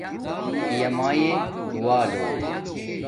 پیا مایے دعا لو